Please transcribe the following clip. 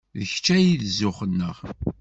D kečč ay d zzux-nneɣ.